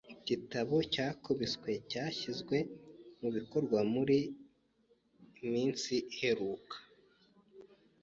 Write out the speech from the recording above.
Igituba cyakubiswe cyashyizwe mubikorwa muri inning iheruka.